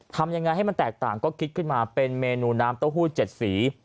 ทำยังไงให้มันแตกต่างก็คิดขึ้นมาเป็นเมนูน้ำเต้าหู้๗สี